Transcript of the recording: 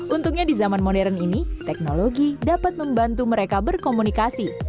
untungnya di zaman modern ini teknologi dapat membantu mereka berkomunikasi